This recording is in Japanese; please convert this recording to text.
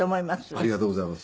ありがとうございます。